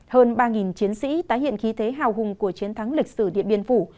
hơn ba chiến sĩ tái hiện khí thế hào hùng của chiến thắng lịch sử điện biên phủ